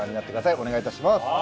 お願い致します。